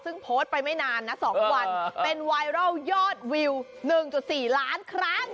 ซึ่งโพสต์ไปไม่นานนะ๒วันเป็นไวรัลยอดวิว๑๔ล้านครั้ง